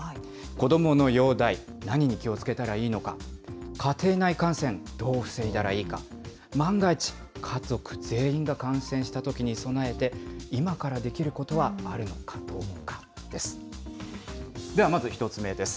子どもの容体、何に気をつけたらいいのか、家庭内感染、どう防いだらいいか、万が一、家族全員が感染したときに備えて、今からできることはあるのかどうかです。